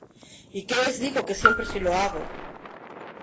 Y q les digo q siempre si lo hago!